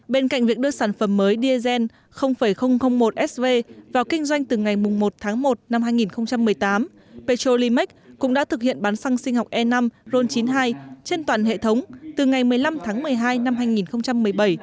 bên cạnh việc đưa sản phẩm mới diesel một sv vào kinh doanh từ ngày một tháng một năm hai nghìn một mươi tám petrolimax cũng đã thực hiện bán xăng sinh học e năm ron chín mươi hai trên toàn hệ thống từ ngày một mươi năm tháng một mươi hai năm hai nghìn một mươi bảy